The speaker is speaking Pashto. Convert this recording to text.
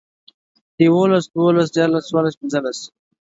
يوولس، دوولس، ديارلس، څوارلس، پينځلس